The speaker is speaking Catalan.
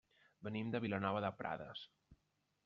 Venim de Vilanova de Prades.